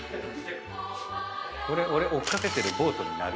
俺追っ掛けてるボートになる？